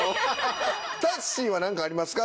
さっしーは何かありますか？